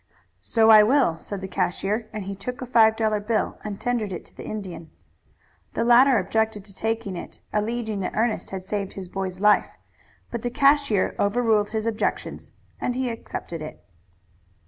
"So I will," said the cashier, and he took a five dollar bill and tendered it to the Indian. The latter objected to taking it, alleging that Ernest had saved his boy's life, but the cashier overruled his objections and he accepted it.